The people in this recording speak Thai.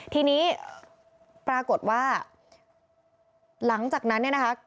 ทีนี้ปรากฏว่าหลังจากนั้นเนี่ยนะคะ